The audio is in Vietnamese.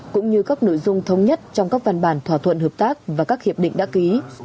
cũng như các nội dung thống nhất trong các văn bản thỏa thuận hợp tác và các hiệp định đã ký